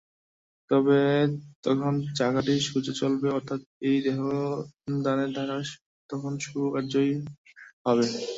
তবে তখন চাকাটি সোজাই চলবে, অর্থাৎ এই দেহমনের দ্বারা তখন শুভ কার্যই হবে।